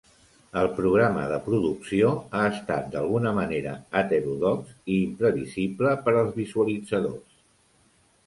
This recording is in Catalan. El programa de producció ha estat d'alguna manera heterodox i imprevisible per als visualitzadors.